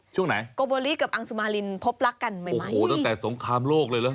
ช่วงไหนกบลีกับอังสุมารินพบลักษณ์กันโอ้โหตั้งแต่สงครามโลกเลยเหรอ